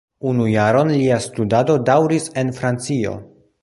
Unu jaron lia studado daŭris en Francio.